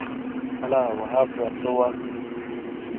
الا وہاب زا سو وا۔